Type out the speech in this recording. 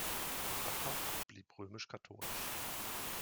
Rappach blieb römisch-katholisch.